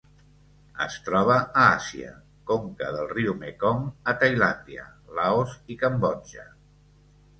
Es troba a Àsia: conca del riu Mekong a Tailàndia, Laos i Cambodja.